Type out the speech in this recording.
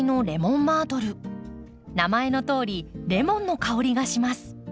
名前のとおりレモンの香りがします。